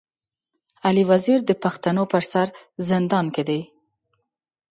علي وزير د پښتنو پر سر زندان کي دی.